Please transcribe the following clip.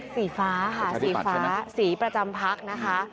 สีฟ้าค่ะสีฟ้าสีประจำพักนะคะ